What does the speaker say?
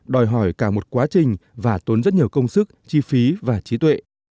đòi hỏi cả một quá trình và tốn rất nhiều công sức chi phí và trí tuệ